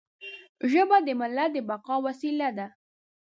ژبه د ملت د بقا وسیله ده.